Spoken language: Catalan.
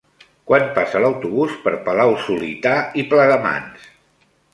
Quan passa l'autobús per Palau-solità i Plegamans?